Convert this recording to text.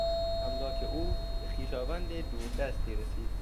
املاک او به خویشاوند دور دستی رسید.